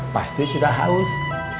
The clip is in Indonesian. pasti sudah haus